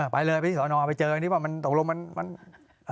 ไปเลยไปที่สนอีเสริมันตกลงมันมันมัน